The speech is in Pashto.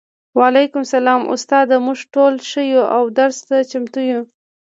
وعلیکم السلام استاده موږ ټول ښه یو او درس ته چمتو یو